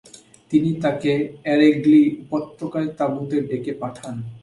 তিনি তাকে এরেগ্লি উপত্যকায় তাঁবুতে ডেকে পাঠান।